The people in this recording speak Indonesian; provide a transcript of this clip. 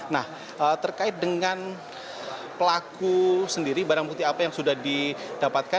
nah terkait dengan pelaku sendiri barang bukti apa yang sudah didapatkan